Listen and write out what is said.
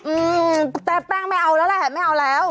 อืมแต่แป้งไม่เอาแล้วแหละไม่เอาแล้ว